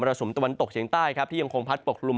สุมตะวันตกเฉียงใต้ครับที่ยังคงพัดปกคลุม